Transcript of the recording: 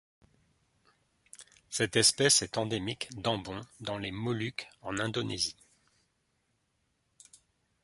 Cette espèce est endémique d'Ambon dans les Moluques en Indonésie.